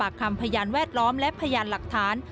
คำพยานแวดล้อมและพยานหลักฐาน